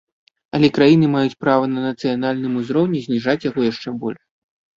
Але краіны маюць права на нацыянальным узроўні зніжаць яго яшчэ больш.